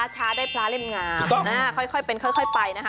ช้าได้พระเล่มงามค่อยเป็นค่อยไปนะคะ